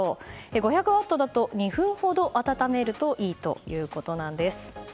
５００ワットだと２分ほど温めるといいということです。